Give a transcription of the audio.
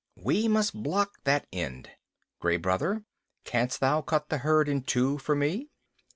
We must block that end. Gray Brother, canst thou cut the herd in two for me?"